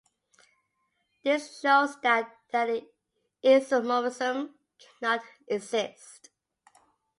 This shows that an isomorphism cannot exist.